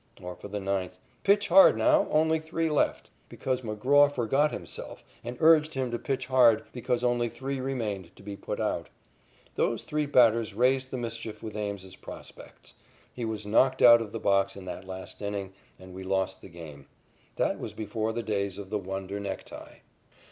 Or for the ninth: "Pitch hard, now. Only three left." Ames says that he lost a game in St. Louis once because McGraw forgot himself and urged him to pitch hard because only three remained to be put out. Those three batters raised the mischief with Ames's prospects; he was knocked out of the box in that last inning, and we lost the game. That was before the days of the wonder necktie.